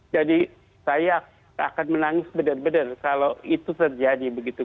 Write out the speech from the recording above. jadi saya akan menangis benar benar kalau itu terjadi begitu